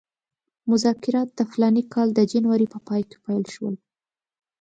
مذاکرات د فلاني کال د جنورۍ په پای کې پیل شول.